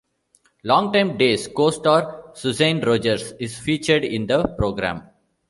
Longtime Days co-star Suzanne Rogers is featured in the program.